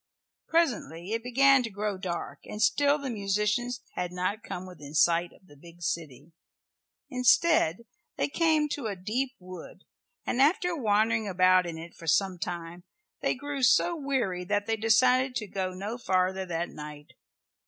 Presently it began to grow dark, and still the musicians had not come within sight of the big city. Instead they came to a deep wood, and after wandering about in it for some time they grew so weary that they decided to go no farther that night.